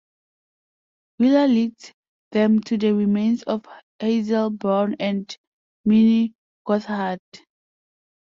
Wheeler led them to the remains of Hazel Brown and Minnie Gotthard.